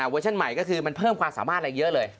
เวอร์ชั่นใหม่ก็คือมันเพิ่มความสามารถอะไรเยอะเลย